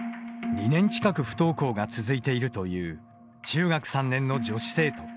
２年近く不登校が続いているという中学３年の女子生徒。